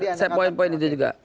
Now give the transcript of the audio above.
itu sebentar saya poin poin itu juga